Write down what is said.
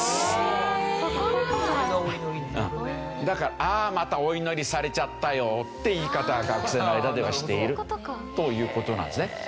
だから「ああまたお祈りされちゃったよ」って言い方を学生の間ではしているという事なんですね。